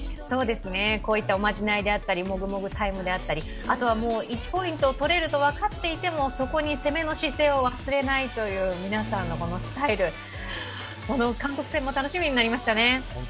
こういったおまじないだったりもぐもぐタイムであったりあとは１ポイントを取れると分かっていてもそこに攻めの姿勢を忘れないという皆さんのスタイル、韓国戦も楽しみになりましたね。